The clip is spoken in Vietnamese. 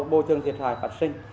bôi thương thiệt hại phạt sinh